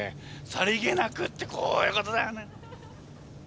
さりげなくってこういうことだよね。